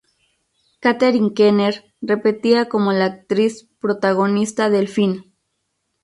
Catherine Keener repetía como la actriz protagonista del film.